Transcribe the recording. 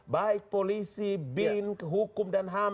baik polisi bin hukum dan ham